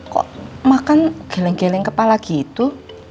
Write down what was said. kok makan geleng geleng kepala gitu